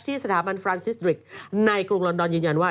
สถาบันฟรานซิสริกในกรุงลอนดอนยืนยันว่า